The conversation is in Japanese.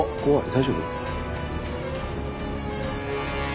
大丈夫？